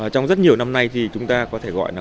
trong rất nhiều năm nay thì chúng ta có thể gọi là